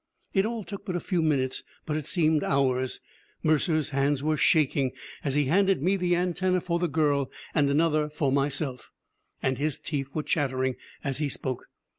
It all took but a few minutes, but it seemed hours. Mercer's hands were shaking as he handed me the antenna for the girl and another for myself, and his teeth were chattering as he spoke.